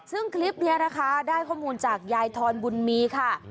ซึ่งคลิปนี้นะคะได้ข้อมูลจากยายทอนบุญมีค่ะ